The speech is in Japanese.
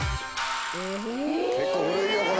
結構古いよこれ。